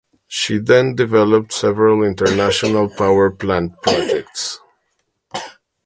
She then developed several international power plant projects.